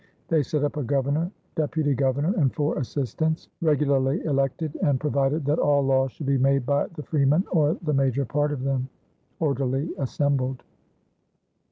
They set up a governor, deputy governor, and four assistants, regularly elected, and provided that all laws should be made by the freemen or the major part of them, "orderly assembled."